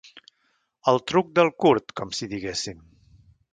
El truc del curt, com si diguéssim.